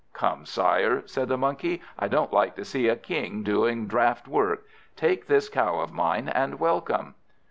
"Come, sire," said the Monkey, "I don't like to see a King doing draught work. Take this cow of mine, and welcome."